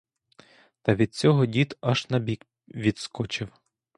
Та від цього дід аж на бік відскочив.